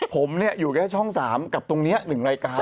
ผมอยู่แค่ช่อง๓กับตรงนี้๑รายการ